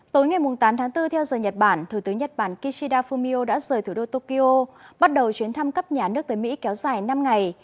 tối ngày tám tháng bốn theo giờ nhật bản thủ tướng nhật bản kishida fumio đã rời thủ đô tokyo bắt đầu chuyến thăm cấp nhà nước tới mỹ kéo dài năm ngày